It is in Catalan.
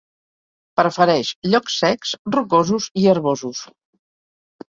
Prefereix llocs secs, rocosos i herbosos.